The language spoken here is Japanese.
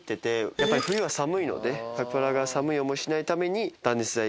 やっぱり冬は寒いのでカピバラが寒い思いしないために断熱材